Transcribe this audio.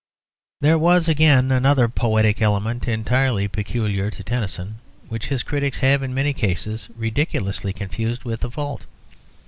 There was, again, another poetic element entirely peculiar to Tennyson, which his critics have, in many cases, ridiculously confused with a fault.